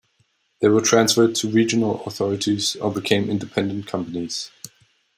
They were transferred to regional authorities or became independent companies.